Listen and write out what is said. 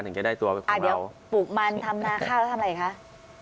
จะได้ตัวไปอ่าเดี๋ยวปลูกมันทำนาข้าวแล้วทำอะไรคะ